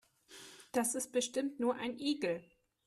Das ist bestimmt nur ein Igel.